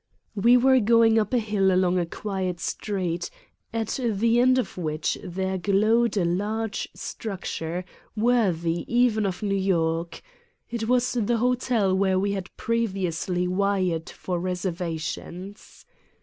"We were going up a hill along a quiet street, at the end of which there glowed a large structure, worthy even of New York : it was the hotel where we had previously wired for reservations.